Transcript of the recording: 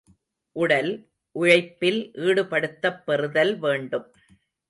உடல், உழைப்பில் ஈடுபடுத்தப் பெறுதல் வேண்டும்.